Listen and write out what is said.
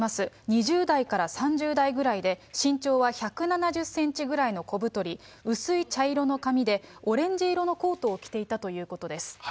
２０代から３０代ぐらいで、身長は１７０センチぐらいの小太り、薄い茶色の髪で、オレンジ色のコートを着ていたということです。